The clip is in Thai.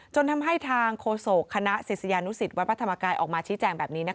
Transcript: จนทำให้ทางโฆษกคณะศิษยานุสิตวัดพระธรรมกายออกมาชี้แจงแบบนี้